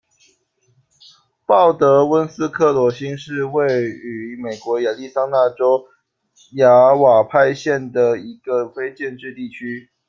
鲍德温斯克罗辛是位于美国亚利桑那州亚瓦派县的一个非建制地区。